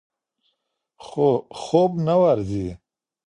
خو خوب نه ورځي.